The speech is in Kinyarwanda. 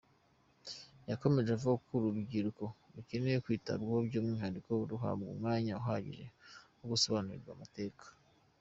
Yakomeje avuga ko urubyiruko rukeneye kwitabwaho by’umwihariko ruhabwa umwanya uhagije wo gusobanurirwa amateka.